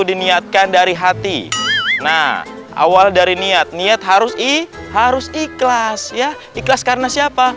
diniatkan dari hati nah awal dari niat niat harus i harus ikhlas ya ikhlas karena siapa